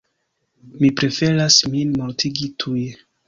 Mi preferas min mortigi tuje.